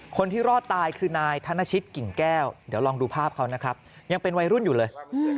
คนที่รอดตายคือนายธนชิตกิ่งแก้วเดี๋ยวลองดูภาพเขานะครับยังเป็นวัยรุ่นอยู่เลย